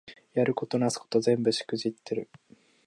やることなすこと全部しくじってる